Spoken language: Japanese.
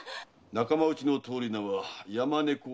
仲間内の通り名は「山猫お京」。